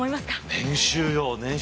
年収よ年収。